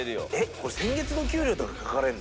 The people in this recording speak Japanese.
これ先月の給料とか書かれんの？